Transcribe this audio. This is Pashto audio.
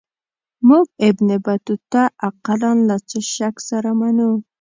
موږ ابن بطوطه اقلا له څه شک سره منو.